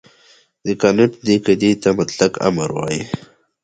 کانټ دې قاعدې ته مطلق امر وايي.